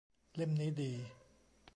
เล่มนี้ดี